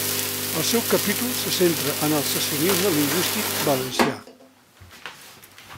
El seu capítol se centra en el secessionisme lingüístic valencià.